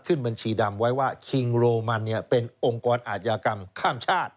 ขึ้นบัญชีดำไว้ว่าคิงโรมันเป็นองค์กรอาชญากรรมข้ามชาติ